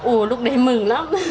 ủa lúc đấy mừng lắm